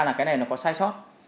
là cái này nó có sai sót